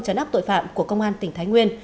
trấn áp tội phạm của công an tỉnh thái nguyên